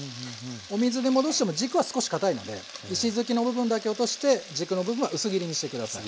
お水で戻しても軸は少しかたいので石突きの部分だけ落として軸の部分は薄切りにして下さい。